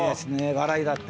笑いだって。